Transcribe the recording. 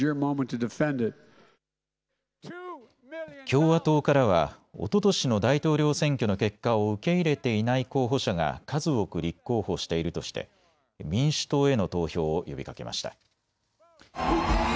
共和党からはおととしの大統領選挙の結果を受け入れていない候補者が数多く立候補しているとして民主党への投票を呼びかけました。